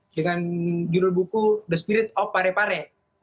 dengan judul buku the spirit of parepare